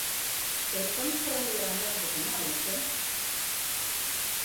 Pero estamos falando de abandonos de cen anos, ¡eh!